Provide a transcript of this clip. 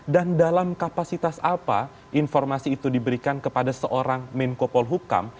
dan dalam kapasitas apa informasi itu diberikan kepada seorang menko polhukam